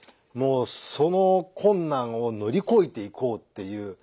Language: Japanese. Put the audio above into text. もうその困難を乗り越えていこうっていう。